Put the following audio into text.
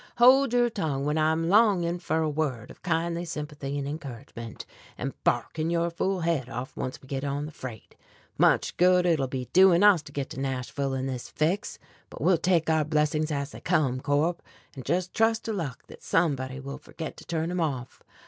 Hold your tongue when I'm longing for a word of kindly sympathy an' encouragement, and barking your fool head off once we get on the freight. Much good it'll be doing us to get to Nashville in this fix, but we'll take our blessings as they come, Corp, and just trust to luck that somebody will forget to turn 'em off.